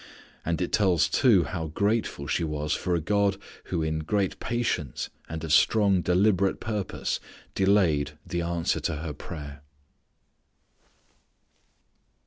And it tells too how grateful she was for a God who in great patience and of strong deliberate purpose delayed the answer to her prayer.